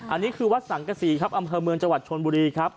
อันนี้คือวัดสังกษีครับอำเภอเมืองจังหวัดชนบุรีครับ